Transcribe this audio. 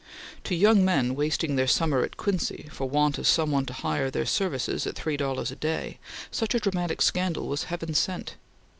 To young men wasting their summer at Quincy for want of some one to hire their services at three dollars a day, such a dramatic scandal was Heaven sent.